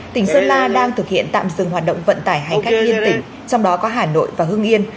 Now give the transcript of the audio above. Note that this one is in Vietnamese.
tỉnh sơn la đang thực hiện tạm dừng hoạt động vận tải hay cách yên tĩnh trong đó có hà nội và hương yên